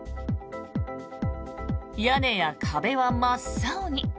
屋根や壁は真っ青に。